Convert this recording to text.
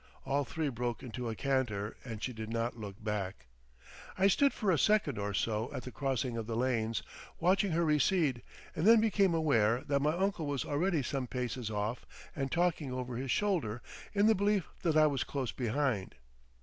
All three broke into a canter and she did not look back. I stood for a second or so at the crossing of the lanes, watching her recede, and then became aware that my uncle was already some paces off and talking over his shoulder in the belief that I was close behind.